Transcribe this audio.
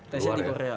tc di korea